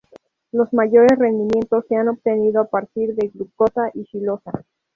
Los mayores rendimientos se han obtenido a partir de glucosa y xilosa.